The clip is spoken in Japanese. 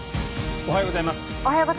おはようございます。